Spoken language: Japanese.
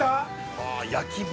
ああ焼き豚？